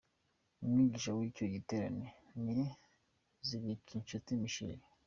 Umwigisha w’icyo giterane ni Zigirinshuti Michel ».